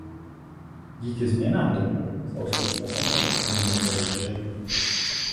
Díky změnám toku se ostrov časem ocitl mimo koryto řeky.